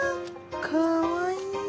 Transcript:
かわいい！